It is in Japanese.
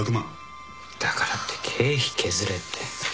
だからって経費削れって。